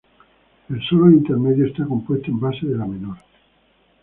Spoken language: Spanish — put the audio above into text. El solo de intermedio está compuesto en base de la menor.